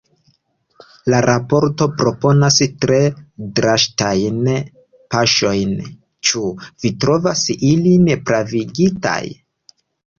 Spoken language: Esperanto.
La raporto proponas tre drastajn paŝojn, ĉu vi trovas ilin pravigitaj?